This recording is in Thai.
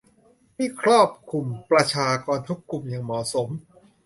ที่ครอบคลุมประชากรทุกกลุ่มอย่างเหมาะสม